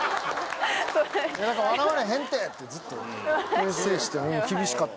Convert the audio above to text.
「だから笑われへんて」ってずっと制して厳しかったな。